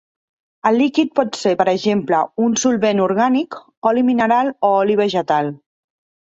El líquid pot ser, per exemple, un solvent orgànic, oli mineral o oli vegetal.